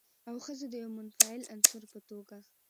او ښځه د يوه منفعل عنصر په توګه